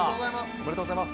おめでとうございます。